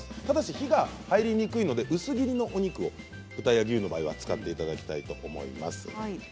ただし火が入りにくいので薄切りのお肉を豚や牛の場合は使っていただきたいと思います。